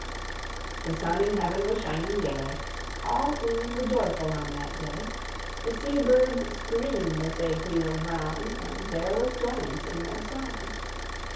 The sun in heaven was shining gay; All things were joyful on that day; The sea birds screamed as they wheeled round, And there was joyance in their sound.